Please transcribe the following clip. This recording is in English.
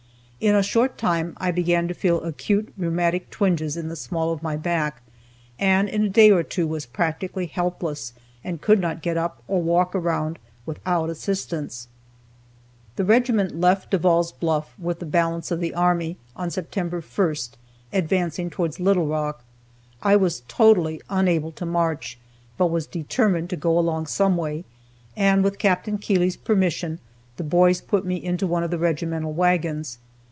In a short time I began to feel acute rheumatic twinges in the small of my back, and in a day or two was practically helpless, and could not get up, or walk around, without assistance. [Illustration: Enoch W. Wallace 2nd Lieutenant Co. D, 61st Illinois Infantry.] The regiment left Devall's Bluff, with the balance of the army, on September 1st, advancing towards Little Rock. I was totally unable to march, but was determined to go along some way, and with Capt. Keeley's permission, the boys put me into one of the regimental wagons.